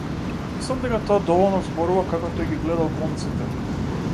Мислам дека тоа доволно зборува како тој ги гледал глумците.